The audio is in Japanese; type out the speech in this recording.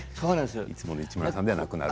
いつもの市村さんじゃなくなる。